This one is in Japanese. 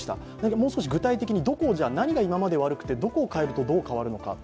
もう少し具体的に、何が今まで悪くてどこをどう変えるのか。